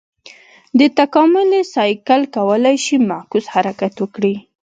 دا تکاملي سایکل کولای شي معکوس حرکت وکړي.